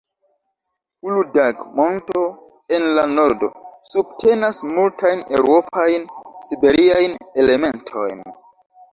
Uludag-Monto, en la nordo, subtenas multajn eŭropajn-siberiajn elementojn.